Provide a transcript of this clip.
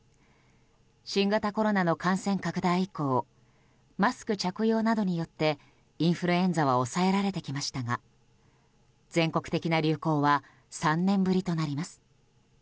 新型コロナの感染拡大以降マスク着用などによってインフルエンザは抑えられてきましたが全国的な流行は３年ぶりとなります。